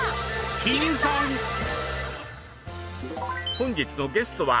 本日のゲストは？